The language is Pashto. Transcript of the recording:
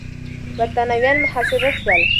برتانويان محاصره سول.